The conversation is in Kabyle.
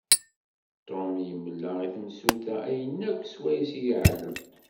Tom yemla i temsulta ayen akk s wayes i yeεlem.